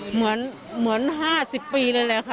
เหมือน๕๐ปีเลยครับ